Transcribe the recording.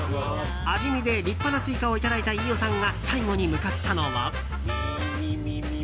味見で立派なスイカをいただいた飯尾さんが最後に向かったのは。